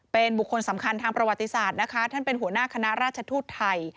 เป็นบุคคลสำคัญทางประวัติศาสตร์นะคะท่านเป็นหัวหน้าคณะราชทูตไทย